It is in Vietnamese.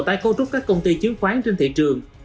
tại cấu trúc các công ty chiến khoán trên thị trường